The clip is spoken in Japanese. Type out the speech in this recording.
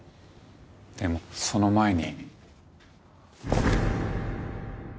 でもその前に。